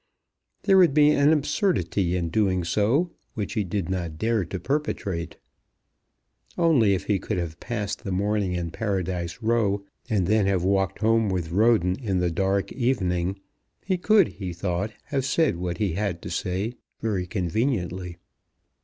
There would be an absurdity in doing so which he did not dare to perpetrate. Only if he could have passed the morning in Paradise Row, and then have walked home with Roden in the dark evening, he could, he thought, have said what he had to say very conveniently.